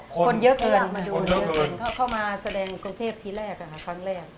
คนเยอะเกินเขามาแสดงคนเทพฯทีแรกไปแหม